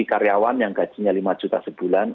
karyawan yang gajinya lima juta sebulan